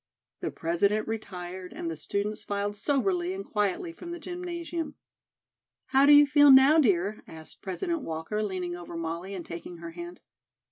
The President retired and the students filed soberly and quietly from the gymnasium. "How do you feel now, dear?" asked President Walker, leaning over Molly and taking her hand.